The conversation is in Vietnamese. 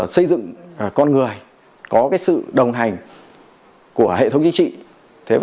xây dựng con người có sự đồng hành của hệ thống chính trị